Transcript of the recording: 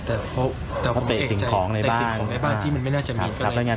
แต่ผมเองสิ่งของบ้านที่ไม่น่าจะมี